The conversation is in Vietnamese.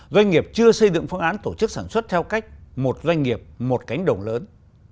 doanh nghiệp chưa xây dựng phương án tổ chức sản xuất theo cách một doanh nghiệp một cánh đồng lớn